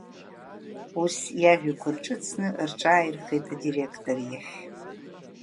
Ус иажәақәа рҿыцны рҿааирхеит адиректор иахь…